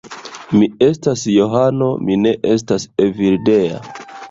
Mi estas Johano, mi ne estas Evildea.